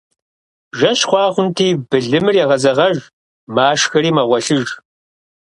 Жэщ хъуа хъунти, былымыр егъэзэгъэж, машхэри мэгъуэлъыж.